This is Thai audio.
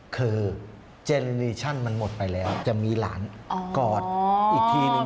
คือเจลิชั่นมันหมดไปแล้วจะมีหลานกอดอีกทีนึง